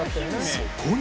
そこに